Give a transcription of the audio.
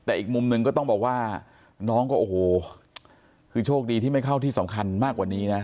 แต่อีกมุมหนึ่งก็ต้องบอกว่าน้องก็โอ้โหคือโชคดีที่ไม่เข้าที่สำคัญมากกว่านี้นะ